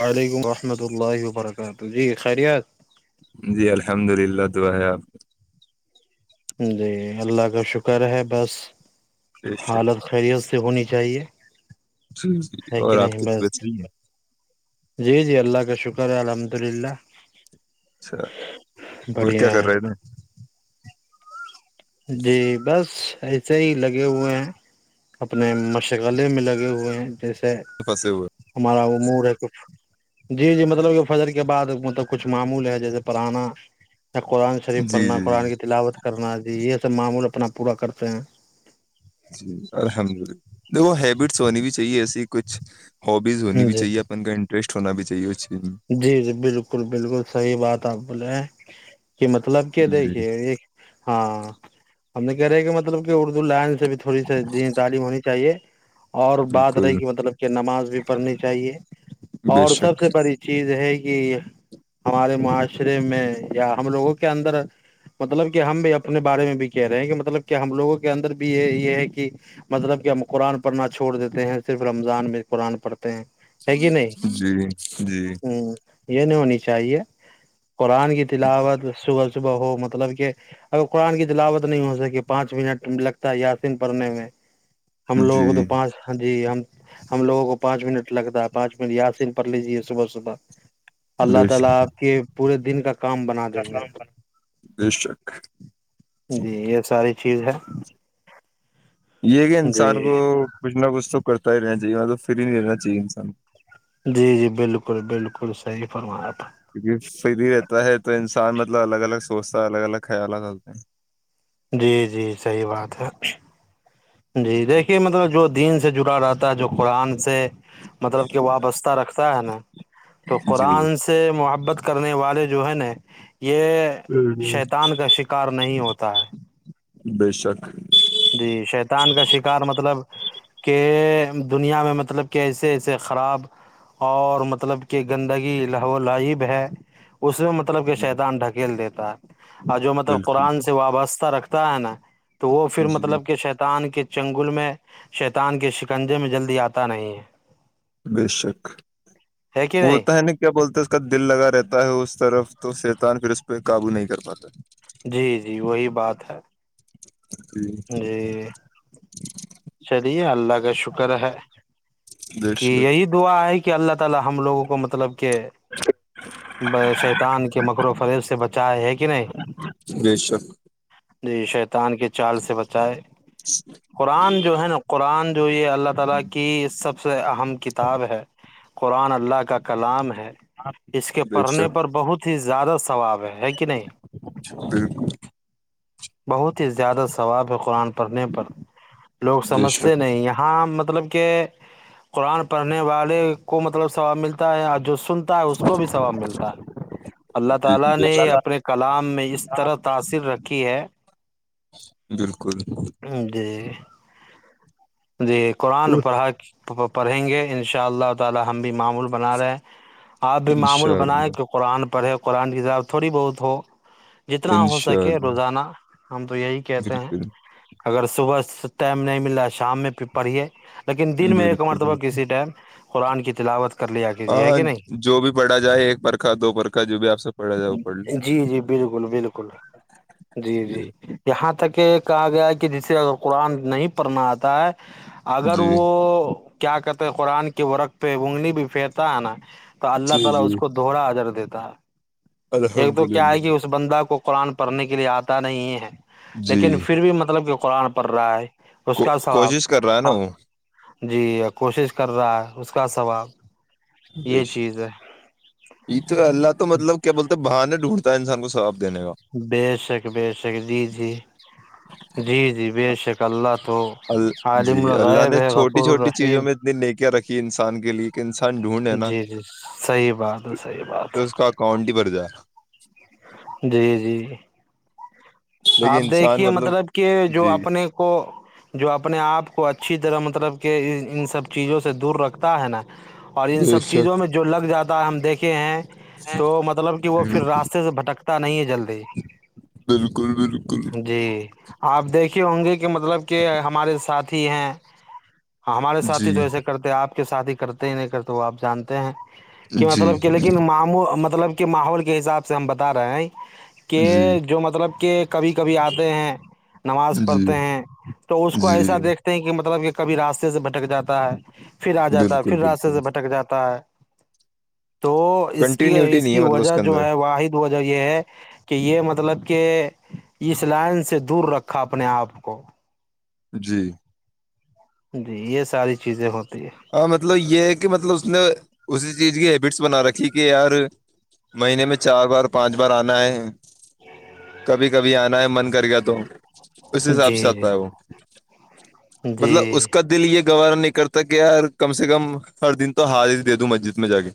وعلیکم ورحمۃ اللہ وبرکاتہ جی خیریت جی الحمد للہ دعائی آپ جی اللہ کا شکر ہے بس بے شک حالت خیریت سے ہونی چاہیے جی جی ہے کہ اور آپ نہیں کی بس طبیعت صحیح ہے جی جی اللہ کا شکر ہے ال الحمد للہ اچھا اور کیا کر رہے ہے میں جی بس ایسے ہی لگے ہوئے ہیں اپنے مشغلے میں لگے ہوئے ہیں جیسے سے پھنسے ہوئے ہمارا مور ہے کچ جی جی مطلب کہ فجر کے بعد مطلب کچھ معمول ہے جیسے پرانا یا قرآن شریف جی پڑنا جی جی قرآن کی تلاوت کرنا یہ سب معمول اپنا پورا کرتے ہیں جی الحمد للہ دیک ہیبٹس ہونی بھی چاہیے ایسی کچھ ہابیز ہونی بھی جی چاہیے اپن کا ریسٹ ہونا بھی چاہیےچ جی جی بالکل بالکل صحیح بات آپ بولے ہ [inaudible] کہ مطلب کہ جی دیکھیے ایک ہاں ہم کہہ رہ ہیں کہ مطب کہ اردو لائن سے بھی تھوڑی س ج تعلیم ہونی چاہیے اور بات رہی بالکل کہ مطلب کہ نماز بھی پڑھنی چاہیے بے اور سب شک سے بڑی [unintelligible] کہ ہمارے معاش معشرے میں یا ہم لوگوں کے اندر مطلب کہ ہم بھی اپنے بارے میں بھی کہہ رہے ہیں کہ مطلب کہ ہم لوگوں کے اندر بھی یہ یہ ہے کہ مطلب کہ ہم قرآن پڑھنا چھوڑ دیتے ہیں صرف رمضان میں قرآن پرڑھ جی جی ہ یہ نہیں ہونی چاہیے قرآن کی تلاوت صبح صبح ہو مطلب کہ اگر قرآن کی تلاوت نہیں ہو سکی پانچ منٹ لگتا ہے یاسین پڑھنے میں ہم لوگوں جی کو تو پانچ جی ہم ہم لوگوں کو پانچ منٹ لگتا ہے پانچ منٹ یاسین پ لیجیے صبح صبح اللہ بے تعالی اپ کے پورے دن کا کام بنا دیں گے بے شک جی یہ ساری چیز ہے یہ کہ جی انسان کو کچھ نہ کچھ تو کرتا ہی رہنا چاہیے مطلب فری نہیں رہنا چاہیے ان سانوں جی جی بالکل بالکل صحیح فرمایا تھا کو کیونکہ فری رہتا ہے تو انسان مطلب الگ الگ سوچتا الگ الگ خیالات کرتے ہیں جی جی صحیح بات ہے جی دیکھیے مطلب جو دین سے جڑا رہتا ہے جو قرآن سے مطلب کہ وابستہ رکھتا ہے نا تو جی قرآن سے محبت کرنے والے جو ہے نا یہ شیطان کا شکار نہیں ہوتا تا ہے بے شک جی شیطان کا شکار مطلب کہ دنیا میں مطلب کہ ایسے ایسے خراب اور مطلب کہ گندگی ل و لائب ہے اس میں مطلب کہ جی شییدان ڈھکیل دیتے [unintelligible] اور جو مطلب بالکل قرآن سے وابستہ رکھتے تو ہے نا تو وہ پھر جی مطلب کہ شیتان کے چنگل میں شیتان کے شکنجے میں جلدی آتا نہیں ہے بے شک ہے کہ نہیں وہتا ہے نا کیا بولتے اس کا دل لگا رہتا ہے اس طرف تو سیطان پھر اس پہ قابو نہیں کر پاتا جی جی وہی بات ہے ج [inaudible] جی جھ [unintelligible] چلیے اللہ کا شکر ہے بے کہ شک یہی دعا ہے کہ اللہ ت ہموگوں کو مطلب شیطان کے مکر و فریب سے بچائے ہے کہ نہیں بے شک جی شیطان کے چال سے بچائے قران جو ہے نا قران جو یہ اللہ تعالی کی سب سب سے اہم کتاب ہے قرآن اللہ کا کلام ہے اس کے بے پڑھنے شک پر بہت زیادہ ثواب ہے ہے کہ نہیں بالکل بہت ہی زیادہ ثواب ہے قرآن پڑھنے پر لوگ بے سمجھتے شک نہیں یہاں م [unintelligible] قرآن پڑھنے والے کو مطلب سثواب ملتا ہے آ جو بھی ثواب ملتا ہے اللہ جی جی تعالی بے نے اللہ شک اپنے کلام میں اس تعالیٰ طرح نے تاثر رکھی ہے بالکل جی جی قرآن پڑھا پڑھیں گے ان شاء اللہ تعالی ہم بھی معمول بنا رہے ہیں آپ بھی معمول انشاء بنائیں اللہ کہ قرآن پڑھے قرآن کتاب تھوڑی بہت ہو جتنا ہو انشاء سکے اللہ روزانہ ہم تو یہی کہتے ہیں بالکل اگر صبح ٹائم نہیں ملا شام میں پھر پڑھیے ایک بالکل مرتبہ بالکل کسی ٹائم قرآن کی تلاوت کر لیا کیجیے ہے ہاں کہ نہیں جو بھی پڑا جائے ایک پرکھا دو پرکھا جو بھی آپ سے پڑھا جائے وہ پڑھ لے جی جی بالکل بالکل جی جی یہ یہاں تک کہ کہا گیا ہے کہ جسے اگر قرآن نہیں پڑھنا آتا ہے اگر جی وہ کیا کہتے قرآن کے ورق پہ ووننگنی بھی پھیرتا ہے نا کہا اللہ جی تعالی جی اس کو دہرا اجر کا ایک الحمد تو کیا ہے للہ کہ اس بندہ کو قرآن پڑھنے کے لیے آتا نہیں ہے جی لیکن پھر بھی مطلب قرآن پر رائے اس کو کا سواب کوشش کر رہا ہے نا ہ وہ جی کوشش کر رہا ہے کا سواب یہ تو اللہ تو مطلب کیا بولتے باہر ڈھونڈتا ہے انسان کو صاف بے شک بے شک جی جی جی جی بے شک کل ال جی اللہ نے چھوٹی غفور چھوٹی چیزوں الرحیم میں اتنی نیکیاں رکھی ہی انسان کے لی انسان ڈھونڈے نا جی جی صحیح بات ہے صحیح بات تو اس کا اکاؤنٹ ہی بھر جا رہا جی جی لیکن آپ انسان دیکھیے مطلب کہ جو جی اپنے کو جو اپنے آپ کو اچھی طرح مطلب طرب کے ان سب چیزوں سے دور رکھتا ہے نا اور ان بے سب چیزوں شک میں جو لگ جاتا ہم دیکھے ہیں تو مطلب کہ وہ پھر ہوں، راستے سے بھٹکتا نہیں ہے جلدی کر نک جی آپ دیکھے ہوں گے کہ کہ مطلب کہ ہمارے ساتھ پھی ہیں اں ہمارے سات ہی جی تو ایسے کرتے آپ کے ساتھ ہی کرتے ہی نہیں کرتے وہ آپ جانتے ہیں کہ جی مطلب کہ لیکن ماموں مطب مطلب کہ ماحول کے حساب سے ہم بتا رہے ہیں کہ جی جو مطلب ایک کبھی کبھی آتے ہیں نماز جی پڑھتے ہیں تو اس کو ایسا جی دیکھتے ہیں کہ مطلب کہ کبھی راستے سے بھٹک جا ہے پھر آ جاتا ہے بالکل پھر راستے بالکل سے بھٹک جاتا ہے تو اس کی کنٹینیوٹی اس نہیں کی ہے مطلب وجہ کے جو اندر ہے واحد وجہ یہ ہے کہ یہ مطلب کہ اس لائن سے دور رکھا اپنے آپ کو جی جی یہ ساری چیزیں ہوتی ہاں مطلب یہ کہ مطلب اس نے اسی چیز کی ہیبٹس بنا رکھی کہ یار مہینے میں چار بار پانچ بار آنا ہے کبھی کبھی آنا ہے من کر گیا تو اس ہے حساب جی سے آتا ہے وہ جی مطلب اس جی کا دل یہ گور نکتاک کہ [unintelligible] یار کم سے کم ہر دن تو ہار ہی دے دوں مسجد میں جا کے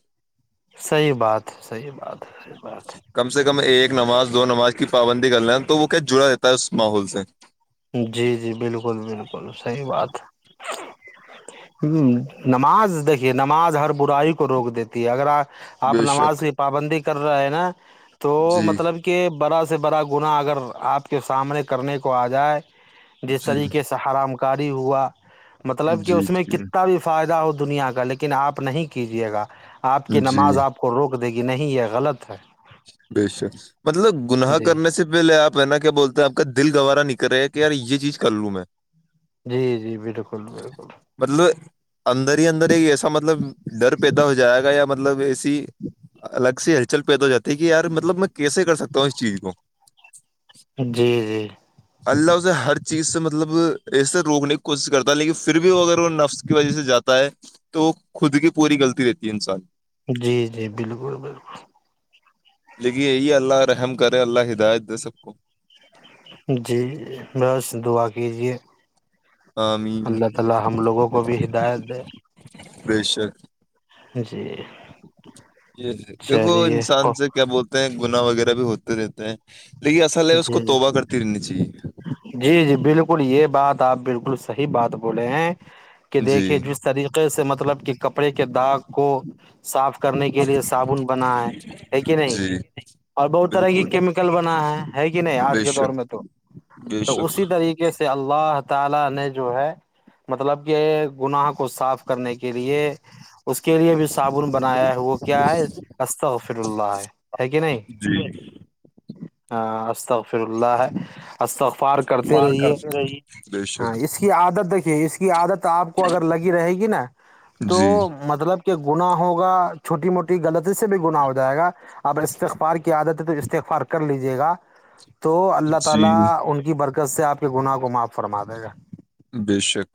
صحیح بات صحیح بات صحیح بات کم سے کم ایک نماز دو نماز کی پابندی کر لیں تو وہ جڑا رہتا ہے اس ماحول سے جی جی بالکل بالکل صحی بات ہ نماز دیکھیے نماز ہر برائی کو روک دیتی ہے اگر آپ آپ بے نماز شک کی پابندی کر کر رہا ہے نا تو جی مطلب کہ بڑا سے بڑا گنا اگر آپ کے سامنے کرنے کو آ جائے جس جی طریقے سے حرام کر کاری ہوا مطلب کہ جی اس میں جی کتنا بھی فائدہ ہوتا دنیا کا لیکن آپ نہیں کیجیے گا آپ کی جی نماز آپ کو روک دے گی نہیں یہ غلط ہے بےشک مطلب گناہ جی کرنے سے پہلے آپ ہے نا کیا بولتے ہیں آپ کا دل گوارا نکل کرے کہ یار یہ چیز کر لوں میں جی جی بالکل بالکل مطلب اندر ہی اندر ایک ایسا مطلب ڈر پیدا ہو جائے گا یا مطلب مطلب الگ سے چل پ تواتا دیکھیے یار مطلب میں کیسے کر سکتا ہوں اس چیز کو جی جی اللہ اس سے ہر چیز سے مطلب اس سے روکنے کی کوشش کرتا ہے لیکن پھر بھی وہ اگر نفس کی وجہ سے جاتا ہے تو خود کی پوری غلطی رہتی ہے انسان جی جی بالکل بالکل لیکئے یہی اللہ رحم کرے اللہ ہدایت دے سب کو جی بس دعا کیجیے آمین [unintelligible] پریشر جی جی دیکھو چلیے انسان سے کیا بولتے ہیں گنا وغیرہ بھی ہوتے رہتے ہیں لیکن اصل ہے اس کو جی جی توبہ کرتی رہنی چاہیے جی جی بالکل یہ بات آپ بالکل صحیح بات بولے ہیں کہ جی دیکھیے جس طریقے سے مطلب کہ کپڑے کے داغ کو صاف کرنے کے لیے صابن بنا ہے ہے کہ نہیں جی اور بہت طرح کی بالکل کیمیکل بنا ہے ہے کہ نہیں آج بے کے دور شک میں تو بے [inaudible] شک جو ہے مطلب کہ گنااہ کو صاف کرنے کے لیے اس کے لیے بھی صابن بنایا ہے وہ کیا ہے افر اللہ ہے ہے کہ نہیں جی ہ اسغفر اللہ ہے استغار کرتے پار رہیے کرتے رہیے بے ہاں شک اس کی عادت دیکھیے اس کی عادت آپ کو اگر لگی رہے گی نا تو جی مطلب گنا ہوگا چھوٹی موٹی غلط سے بھی گنااہ ہو جائے گا اب استخبار کی عادت ہے تو استخبار کر لیجیے جے گا [inaudible] [unintelligible] تو اللہ جی ان کی [unintelligible] [inaudible] برکت سے آپ کے گناہ کو معاف فرما دے گا بے شک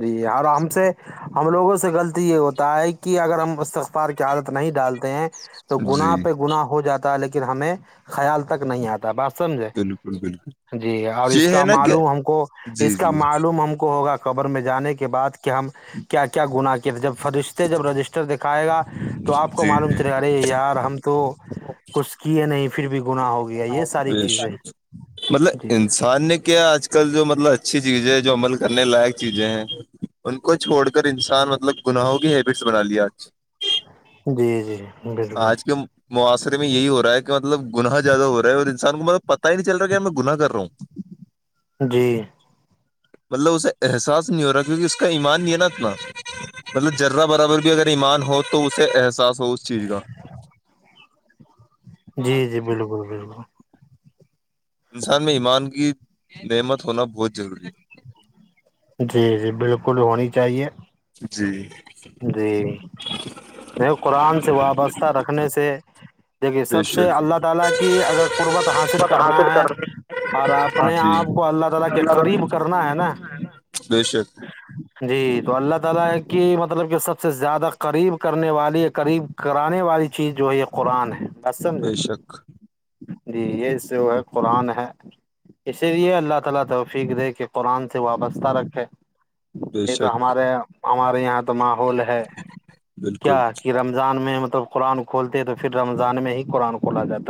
جی اور ہم سے ہم لوگوں سے غلطی یہ ہوتا ہے کہ اگر ہم ار کی عادت نہیں ڈالتے ہیں تو جی گنااہ پہ گنا ہو جاتا لیکن ہمیں خیال تک نہیں آتا بات سمجھے بالکل بالکل جی اور اس یہ ہے کا نا کہ معلوم ہم کو جی اس کا جی معلوم ہم کو ہوگا قبر میں جانے کے بع کہ ہم کیا کیا گنا کیا جب فرشتے جب رجسٹر دیک کاائے گہ تو آپ کو جی معلوم جی چلے ارے یار ہم تو تو کچھ کیے نہیں پھر بھی گنااہ ہوگیا تویا یہ ساری بے چیزیں شک مطلب جی انسان نے کیا آج کل جو مطلب اچھی چیزیں جو عمل کرنے لائق چیزیں ہیں ان کو چھوڑ کر انسان مطلب گناہوں کی ہیبٹس بنا ل آج جی جی بالکل آج کے معاشرے میں یہی ہو رہا ہے کہ مطلب گناہ زیادہ ہو رہا ہے اور انسان کو مطلب پتا ہی نہیں چل رہا کیا میں گنااہ کر رہا ہوں جی مطلب اسے احساس نہیں ہو رہا کیونکہ اس کا ایمان یہ ہے نا اتنا مطلب جرہ برابر بھی اگر ایمان ہو تو اسے احساس س اس چیز کا [unintelligible] [inaudible] جی جی بالکل بالکل انسان میں ایمان کی نعمت ہونا بہت ضروری ہے جی جی بالکل ہونی چاہیے جی جی قران سے وابستہ رکھنے سے جب یہ بے سب سے شک اللہ تعالی کی اگر قربت حاصل مت کرنا ہے کرنی اور اپنے جی اپ کو اللہ تعالی کے قریب کرنا ہے نا جی تو اللہ [unintelligible] [inaudible] مطلب کہ سب سے زیادہ قریب کرنے والی قریب کرانے والی چیز جو ہے یہ قرآن ہے بس سمجھے بے شک قران ہے اسی لیے اللہ تعالی توفیق دے کہ قران سے وابستہ رکھے بے نہیں تو شک ہمارے ہمارے یہاں ماحول ہے کیا بالکل کہ رمضان میں مطلب قرآن کھولتے تو پھر رمضان میں ہی قرآن کھولا جاتا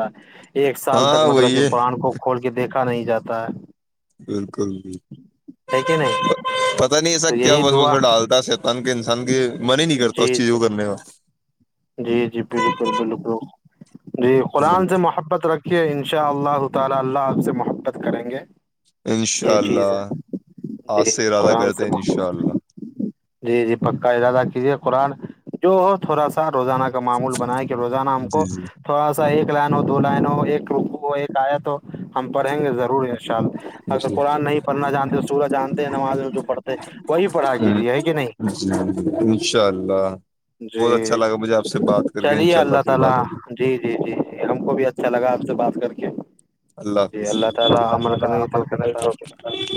ایک سال تک ہاں مطلب وہی کہ ہے قرآن کو کھول کے دیکھا نہیں جاتا تا [unintelligible] بالکل بکل ہے کہ نہیں پتا نہیں ایسا تو کیا یہی وس دعا ڈالتا شتان کے ان سنگے جی جی جی جی بالکل بالکل جی کا قرآن سے محبت رکھ کہ انشاءاللہ تعالی اللہ اپ سے محبت کریں گے یہ انشاءاللہ چیز ہے اس جی سے ارادہ قرآن کرتے سے ہیں محبت انشاءاللہ جی جی پکا ارادہ کیجیے قرآن جو ہو تھوڑا سا روزانہ کا معمول بنایا کہ روزانہ ہم جی کو جی تھوڑا سا ایک لائن ہو دو لائن ہو ایک ل ایک آیا تو ہم پڑھیں گے ضرور ان شاء اللہ اگر جی جی قرآن نہیں پڑھنا جانتے سورج جانتے نماز میں جو پڑھتے ہیں وہی پڑھا گری ہے کہ نہیں جی جی انشاء اللہ بہت اچھا لگا مجھے آپ سے بات کر کے انشاء اللہ پھر بات ہوگی تعالی ہم کو بھی اچھا لگا آپ سے بات کر کے اللہ جی حافظ تعالی عمل اللہ کرنے کی توفیق عطا اللہ